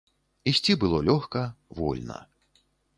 Ісці было лёгка, вольна.